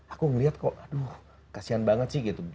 aku ngelihat kok aduh kasian banget sih gitu